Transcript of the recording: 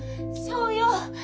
そうよ！